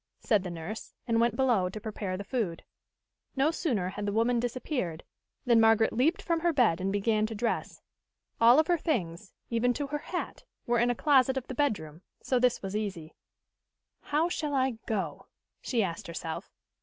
said the nurse, and went below to prepare the food. No sooner had the woman disappeared than Margaret leaped from her bed and began to dress. All of her things, even to her hat, were in a closet of the bedroom, so this was easy. "How shall I go?" she asked herself.